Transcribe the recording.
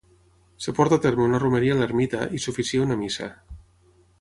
Es porta a terme una romeria a l'ermita i s'oficia una missa.